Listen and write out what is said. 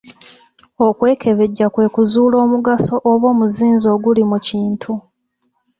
Okwekebejja kwe kuzuula omugaso oba omuzinzi oguli mu kintu.